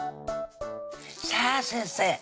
さぁ先生